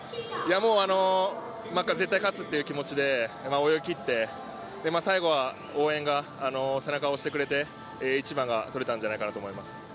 もう絶対勝つという気持ちで泳ぎ切って最後は応援が背中を押してくれて、１番がとれたんじゃないかなと思います。